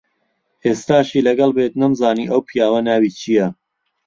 ئێستاشی لەگەڵ بێت نەمزانی ئەو پیاوە ناوی چییە.